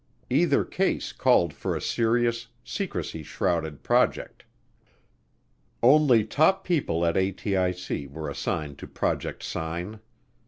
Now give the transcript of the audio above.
Either case called for a serious, secrecy shrouded project. Only top people at ATIC were assigned to Project Sign.